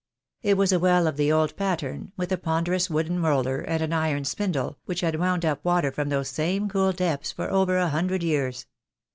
It was a well of the old pattern, with a ponderous wooden roller, and an iron spindle, which had wound up water from those same cool depths for over a hundred years.